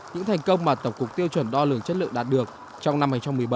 những thành công mà tổng cục tiêu chuẩn đo lường chất lượng đạt được trong năm hai nghìn một mươi bảy